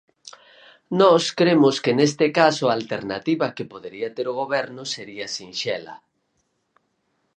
Nós cremos que neste caso a alternativa que podería ter o Goberno sería sinxela.